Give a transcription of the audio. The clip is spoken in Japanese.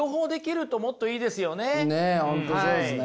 本当そうですね。